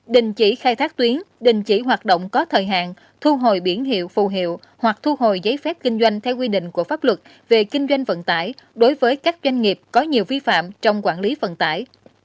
đình chỉ khai thác tuyến đình chỉ hoạt động có thời hạn thu hồi biển hiệu phù hiệu hoặc thu hồi giấy phép kinh doanh theo quy định của pháp luật về kinh doanh vận tải đối với các doanh nghiệp có nhiều vi phạm trong quản lý vận tải